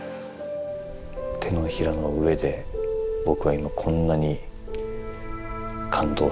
手のひらの上で僕は今こんなに感動してしまっているって。